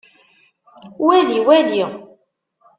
Wali wali!